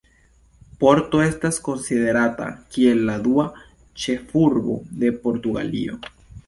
Porto estas konsiderata kiel la dua ĉefurbo de Portugalio.